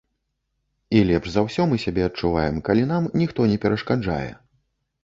І лепш за ўсё мы сябе адчуваем, калі нам ніхто не перашкаджае.